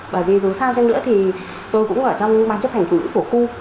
bởi vì dù sao chăng nữa thì tôi cũng ở trong ban chấp hành thủy của khu